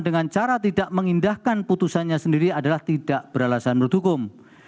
dengan cara tidak mengindahkan putusannya sendiri adalah tidak beralasan menurut hukum